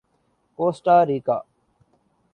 کوسٹا ریکا